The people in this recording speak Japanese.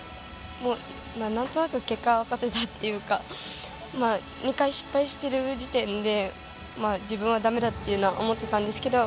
なんとなく結果は分かっていたというか２回失敗している時点で自分はだめだというのは思ってたんですけど